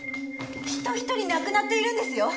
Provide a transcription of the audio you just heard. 人ひとり亡くなっているんですよ！？